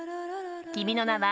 「君の名は。」